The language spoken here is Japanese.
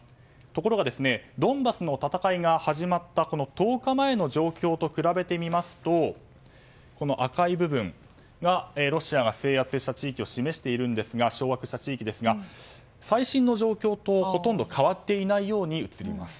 ところがドンバスの戦いが始まった１０日前の状態と比べてみますとこの赤い部分がロシアが制圧した地域を示しているんですが最新の状況とほとんど変わっていないように映ります。